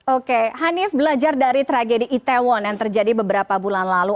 oke hanif belajar dari tragedi itaewon yang terjadi beberapa bulan lalu